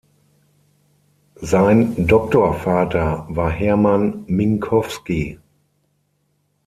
Sein Doktorvater war Hermann Minkowski.